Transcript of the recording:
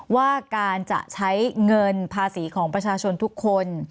ว่าการจะใช้เงินภาษีของประชาชนทุกคน